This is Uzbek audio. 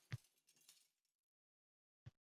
Jahon chempionati qoldirilishi mumkin